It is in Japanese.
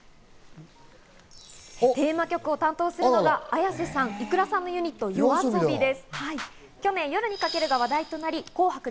テーマ曲を担当するのはＡｙａｓｅさん、ｉｋｕｒａさんのユニット、ＹＯＡＳＯＢＩです。